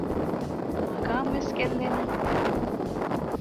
މަގާމް ވެސް ގެއްލެނީ؟